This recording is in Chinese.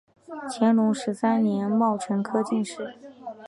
乾隆十三年戊辰科进士。